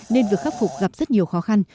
nên việc khắc phục gặp rất nhiều khó khăn